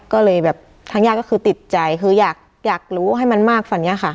ก็เลยแบบทางยาก็คือติดใจคืออยากอยากรู้ให้มันมากฝันเนี้ยค่ะ